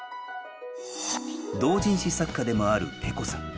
同人誌作家でもあるＰＥＫＯさん。